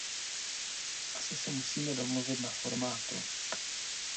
Asi se musíme domluvit na formátu.